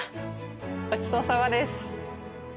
ごちそうさまです。